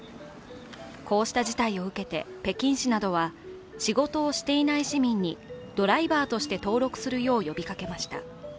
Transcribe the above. こうした事態を受けて、北京市などは仕事をしていない市民にドライバーとして登録するよう呼びかけました。